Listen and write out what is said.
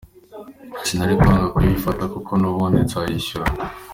Sinari kwanga kuyifata kuko n’ubundi nzayishyura.